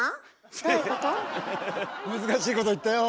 難しいこと言ったよ。